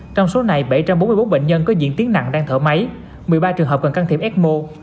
trong số này bảy trăm bốn mươi bốn bệnh nhân có diễn tiến nặng đang thở máy một mươi ba trường hợp cần can thiệp ecmo